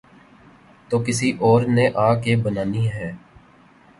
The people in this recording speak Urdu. تو کسی اور نے آ کے بنانی ہیں۔